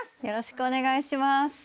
よろしくお願いします